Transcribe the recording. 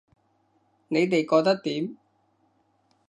你哋覺得點